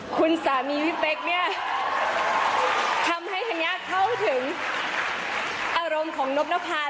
คุณสามีพี่เป๊กเนี่ยทำให้ธัญญาเข้าถึงอารมณ์ของนบนภา